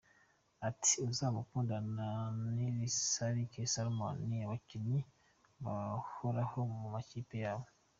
Ati "Uzamukunda na Nirisarike Salomon ni abakinnyi bahoraho mu makipe yabo.